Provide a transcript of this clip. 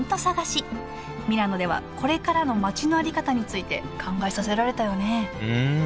ミラノではこれからの街の在り方について考えさせられたよねうん。